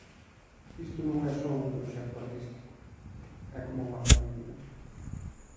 Isto non é só un proxecto artístico: é coma unha familia.